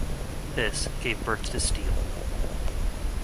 This gave birth to Steel.